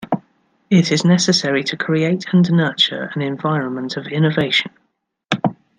It is necessary to create and nurture an environment of innovation.